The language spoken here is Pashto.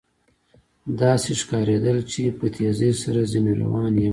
داسې ښکارېدل چې په تېزۍ سره ځنې روان یم.